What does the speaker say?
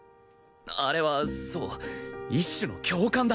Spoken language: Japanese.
あれはそう一種の共感だ